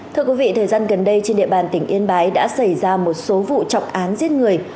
thưa quý vị thời gian gần đây trên địa bàn tỉnh yên bái đã xảy ra một số vụ trọng án giết người